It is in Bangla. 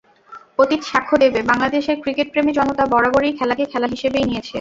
অতীত সাক্ষ্য দেবে, বাংলাদেশের ক্রিকেটপ্রেমী জনতা বরাবরই খেলাকে খেলা হিসেবেই নিয়েছে।